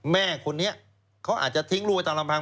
แม่คนนี้เขาอาจจะทิ้งลูกไว้ตามลำพัง